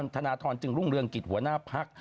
ทนทรจึงรุ่งเรื่องกริจหัวหน้าภักดิ์